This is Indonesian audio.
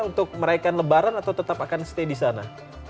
untuk meraihkan lebaran atau tetap akan stay di sana